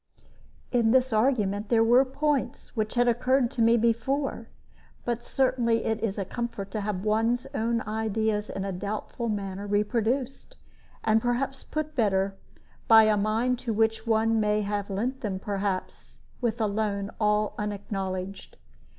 In this argument there were points which had occurred to me before; but certainly it is a comfort to have one's own ideas in a doubtful matter reproduced, and perhaps put better, by a mind to which one may have lent them, perhaps, with a loan all unacknowledged.